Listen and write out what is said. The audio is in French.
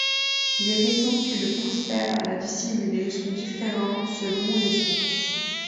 Les raisons qui le poussèrent à la dissimuler sont différentes selon les sources.